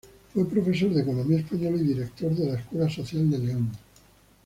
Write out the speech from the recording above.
Fue profesor de Economía Española y director de la Escuela Social de León.